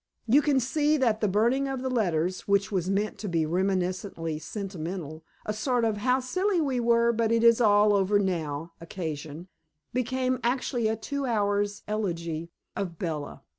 You can see that the burning of the letters, which was meant to be reminiscently sentimental, a sort of how silly we were but it is all over now occasion, became actually a two hours' eulogy of Bella.